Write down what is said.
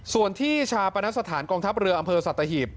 ส่วนที่ชาปนสถานกองทัพเรืออำเภอสัตหีบ